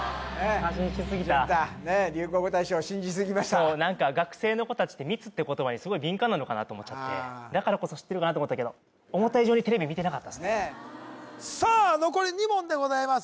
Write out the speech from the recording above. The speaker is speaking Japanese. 流行語大賞を信じすぎました学生の子達って密って言葉にすごい敏感なのかなと思ってだからこそ知ってるかなと思ったけど思った以上にテレビ見てなかったっすねさあ残り２問でございます